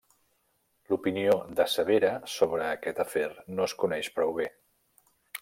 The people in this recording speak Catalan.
L'opinió de Severa sobre aquest afer no es coneix prou bé.